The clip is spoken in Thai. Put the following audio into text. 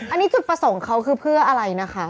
อันนี้จุดประสงค์เขาคือเพื่ออะไรนะคะ